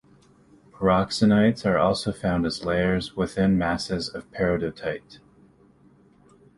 Pyroxenites are also found as layers within masses of peridotite.